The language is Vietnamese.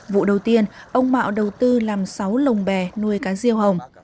vụ đầu tiên ông mạo đầu tư làm sáu lồng bè nuôi cá riêu hồng